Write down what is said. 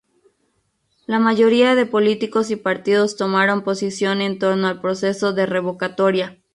La mayoría de políticos y partidos tomaron posición en torno al proceso de revocatoria.